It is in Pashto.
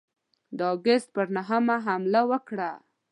د آګسټ پر نهمه حمله وکړه.